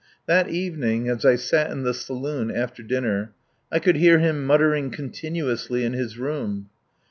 That evening, as I sat in the saloon after dinner, I could hear him muttering continuously in his room.